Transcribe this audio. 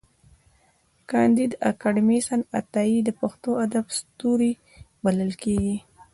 کانديد اکاډميسن عطايي د پښتو ادب ستوری بلل کېږي.